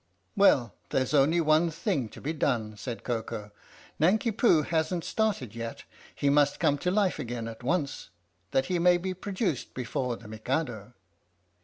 "" Well, there 's only one thing to be done," said Koko. " Nanki Poo hasn't started yet he must come to life again at once that he may be produced before the Mikado."